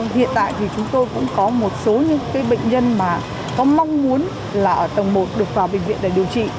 hiện tại chúng tôi cũng có một số bệnh nhân có mong muốn ở tầng một được vào bệnh viện để điều trị